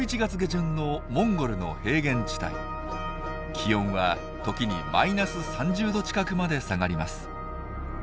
気温は時にマイナス３０℃近くまで下がります。